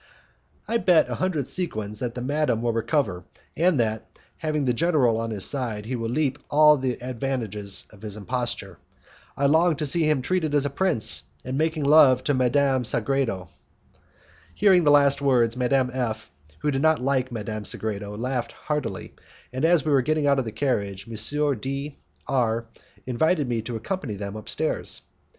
"I bet a hundred sequins that the madman will recover, and that, having the general on his side, he will reap all the advantages of his imposture. I long to see him treated as a prince, and making love to Madame Sagredo." Hearing the last words, Madame F , who did not like Madame Sagredo, laughed heartily, and, as we were getting out of the carriage, M. D R invited me to accompany them upstairs.